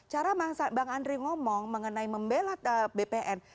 cara bang andri ngomong mengenai membelat bpn